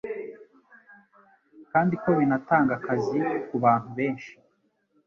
kandi ko binatanga akazi ku bantu benshi